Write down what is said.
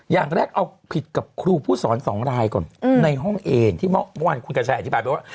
อย่างแรกเอาผิดกับครูผู้สอนสองรายก่อนในห้องเอนที่เมื่อวานคุณกระชายอธิบายไปว่า